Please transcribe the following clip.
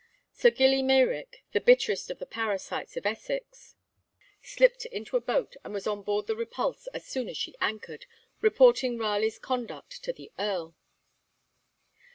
Sir Gilly Meyrick, the bitterest of the parasites of Essex, slipped into a boat and was on board the 'Repulse' as soon as she anchored, reporting Raleigh's conduct to the Earl.